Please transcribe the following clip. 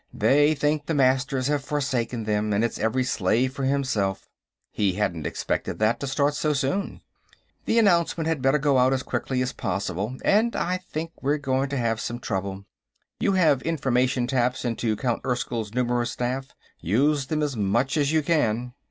"They think the Masters have forsaken them, and it's every slave for himself." He hadn't expected that to start so soon. "The announcement had better go out as quickly as possible. And I think we're going to have some trouble. You have information taps into Count Erskyll's numerous staff? Use them as much as you can."